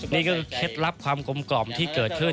นี่ก็คือเคล็ดลับความกลมกล่อมที่เกิดขึ้น